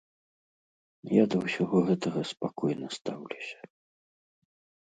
Я да ўсяго гэтага спакойна стаўлюся.